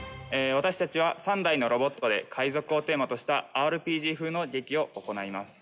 私たちは３台のロボットで海賊をテーマとしたＲＰＧ風の劇を行います。